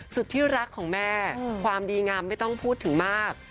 สุดที่รักของแม่ความดีงามไม่ต้องพูดถึงมาก